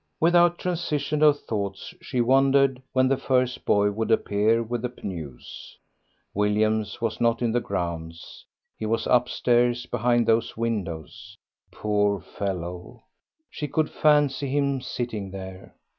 Without transition of thought she wondered when the first boy would appear with the news. William was not in the grounds; he was upstairs behind those windows. Poor fellow, she could fancy him sitting there.